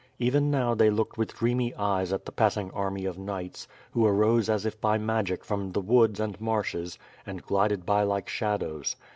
Even now they looked with dreamy eyes at the passing army of knights, who arose as if bv magic from the woods and marshes, and glided by like shadows.